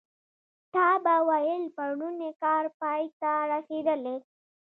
تا به ویل پرون یې کار پای ته رسېدلی.